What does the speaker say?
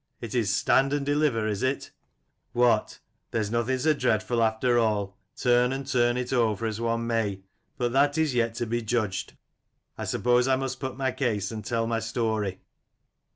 It is stand and deliver, is it ? What, there is nothing so dreadful after all, turn and [turn it over as one may. But that is yet to be judged: I suppose I must put my case, and tell my story.